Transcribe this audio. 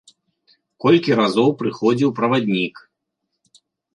Колькі разоў прыходзіў праваднік.